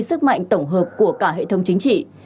sức mạnh tổng hợp của cả hệ thống chính trị